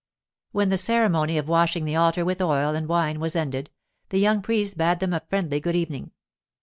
When the ceremony of washing the altar with oil and wine was ended, the young priest bade them a friendly good evening.